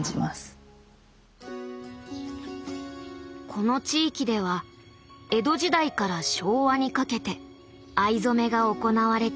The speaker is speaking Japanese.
この地域では江戸時代から昭和にかけて藍染めが行われていた。